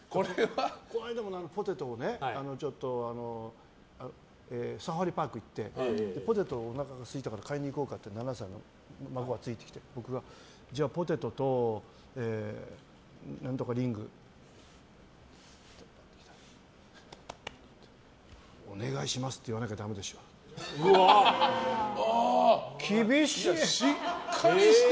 この間もサファリパークに行ってポテトを、おなかがすいたから買いに行こうかって７歳の孫がついてきて僕が、ポテトと何とかリングってお願いしますって言わなきゃだめでしょって。